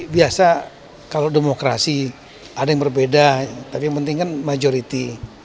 biasa kalau demokrasi ada yang berbeda tapi yang penting kan majority